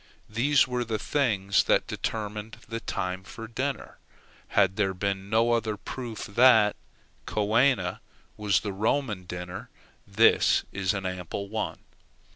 These were the things that determined the time for dinner. Had there been no other proof that coena was the Roman dinner, this is an ample one.